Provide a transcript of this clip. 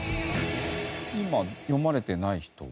今詠まれてない人は？